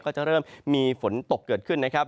ก็จะเริ่มมีฝนตกเกิดขึ้นนะครับ